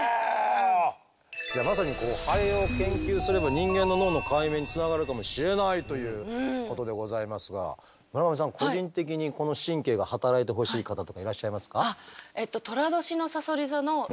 じゃあまさにハエを研究すれば人間の脳の解明につながるかもしれないということでございますが村上さん個人的にこの神経が働いてほしい方とかいらっしゃいますか？